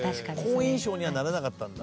「好印象にはならなかったんだ」